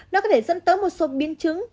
nó có thể dẫn tới một số biến chứng